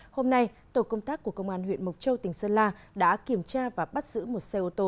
hôm nay tổ công tác của công an huyện mộc châu tỉnh sơn la đã kiểm tra và bắt giữ một xe ô tô